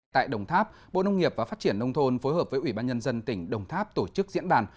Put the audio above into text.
tại đồng tháp bộ nông nghiệp và phát triển nông thôn phối hợp với ủy ban nhân dân tỉnh đồng tháp tổ chức diễn đàn